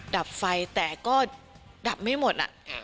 ดับไฟแต่ก็ดับไม่หมด